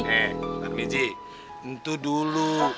eh pak haji itu dulu